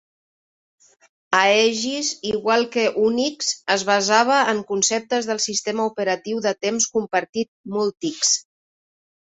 Aegis, igual que Unix, es basava en conceptes del sistema operatiu de temps compartit Multics.